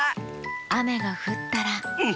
あめがふったらンフフ。